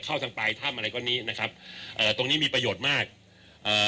เข้าทางปลายถ้ำอะไรก็นี้นะครับเอ่อตรงนี้มีประโยชน์มากเอ่อ